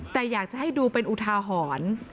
แต่อยากจะให้ดูเป็นอุทาหรณ์